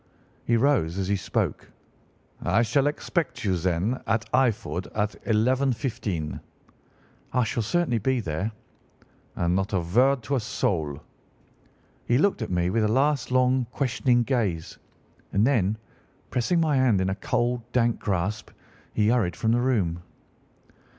He rose as he spoke. 'I shall expect you, then, at Eyford at 11:15.' "'I shall certainly be there.' "'And not a word to a soul.' He looked at me with a last long, questioning gaze, and then, pressing my hand in a cold, dank grasp, he hurried from the room.